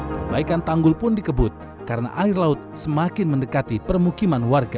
perbaikan tanggul pun dikebut karena air laut semakin mendekati permukiman warga